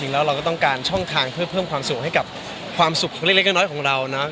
แล้วเราก็ต้องการช่องทางเพื่อเพิ่มความสุขให้กับความสุขเล็กน้อยของเรานะ